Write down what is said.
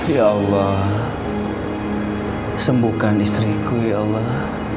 ya allah sembuhkan istriku ya allah